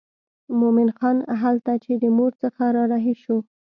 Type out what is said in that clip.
مومن خان هلته چې د مور څخه را رهي شو.